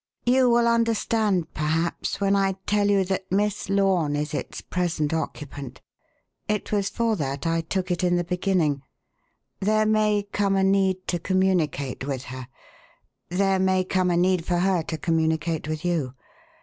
"You will understand, perhaps, when I tell you that Miss Lorne is its present occupant. It was for that I took it in the beginning. There may come a need to communicate with her; there may come a need for her to communicate with you.